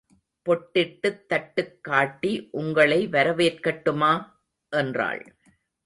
பொட்டிட்டுத் தட்டுக்காட்டி உங்களை வரவேற்கட்டும்மா? என்றாள்.